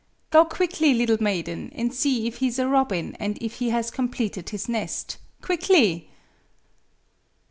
Go quickly, little maiden, and see if he is a robin, and if he has completed his nest quickly."